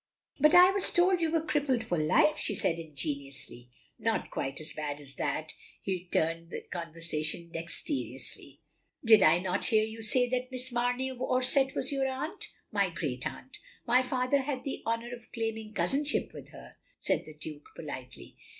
"But I was told you were crippled for life," she said ingenuously. "Not quite so bad as that." He turned the conversation dexterously. " Did I not hear you say that Miss Mamey of Orsett was yotir aunt?" "My great aunt." " My father had the honour of claiming cotisin ship with her, " said the Duke, politely.